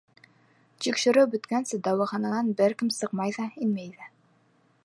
Тикшереү бөткәнсе дауахананан бер кем сыҡмай ҙа, инмәй ҙә.